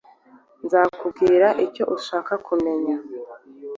Nzakubwira icyo ushaka kumenya.